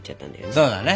そうだね。